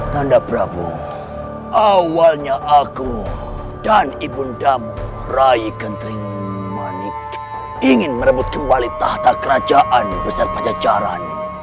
nanda prabu awalnya aku dan ibundamu rai gentrimanik ingin merebut kembali tahta kerajaan besar pancacaran